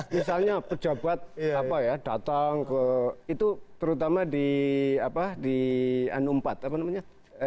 misalnya pejabat apa ya datang ke itu terutama di anumpat apa namanya